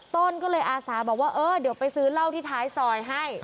ต้นก็เลยอาสาบอกว่าเออเดี๋ยวไปซื้อเหล้าที่ท้ายซอยให้